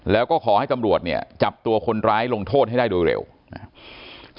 แล้วก็ขอให้ตำรวจเนี่ยจับตัวคนร้ายลงโทษให้ได้โดยเร็วนะครับ